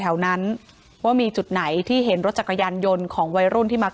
แถวนั้นว่ามีจุดไหนที่เห็นรถจักรยานยนต์ของวัยรุ่นที่มา